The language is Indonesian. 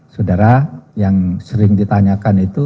saudara yang sering ditanyakan itu